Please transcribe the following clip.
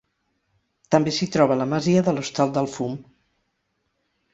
També s'hi troba la Masia de l'Hostal del Fum.